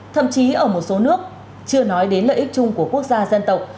thậm chí ở một số nước chưa nói đến lợi ích chung của quốc gia dân tộc